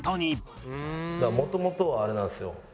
だからもともとはあれなんですよ。